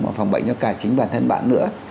mà phòng bệnh cho cả chính bản thân bạn nữa